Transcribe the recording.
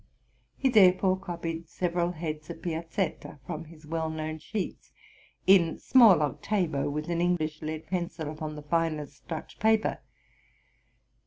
He therefore copied several heads of Piazetta, from his well known sheets in small octavo, with an English lead pencil upon the finest Dutch paper.